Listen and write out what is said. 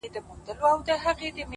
زما ونه له تا غواړي راته ـ